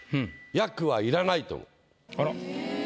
私はいらないと思う。